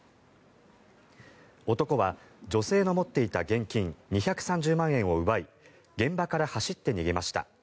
男は、女性の持っていた現金２３０万円を奪い現場から走って逃げました。